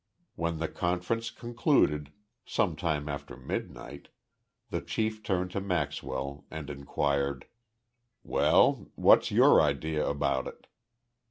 When the conference concluded, sometime after midnight, the chief turned to Maxwell and inquired: "Well, what's your idea about it?"